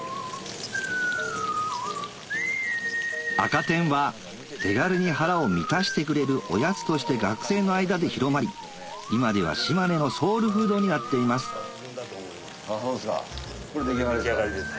赤てんは手軽に腹を満たしてくれるおやつとして学生の間で広まり今では島根のソウルフードになっています出来上がりですか？